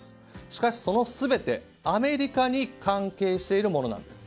しかし、その全てアメリカに関係しているものです。